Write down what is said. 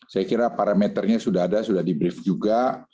saya kira parameternya sudah ada sudah di brief juga